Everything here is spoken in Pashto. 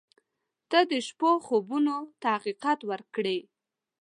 • ته د شپو خوبونو ته حقیقت ورکړې.